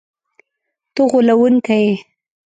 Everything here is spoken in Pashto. ته غولونکی یې!”